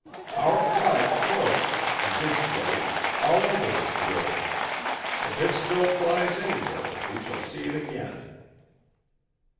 Our flag floats, did float, all over this globe; if it still flies anywhere, we shall see it again."